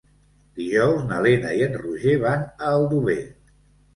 Dijous na Lena i en Roger van a Aldover.